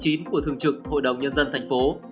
của thường trực hội đồng nhân dân thành phố